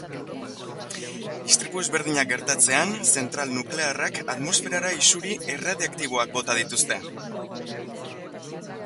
Istripu ezberdinak gertatzean, zentral nuklearrak atmosferara isuri erradiaktiboak bota dituzte.